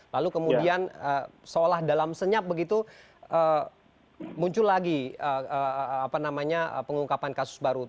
lalu kemudian seolah dalam senyap begitu muncul lagi pengungkapan kasus baru